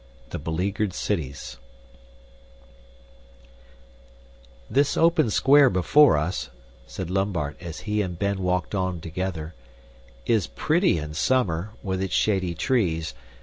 The Beleaguered Cities "This open square before us," said Lambert, as he and Ben walked on together, "is pretty in summer, with its shady trees.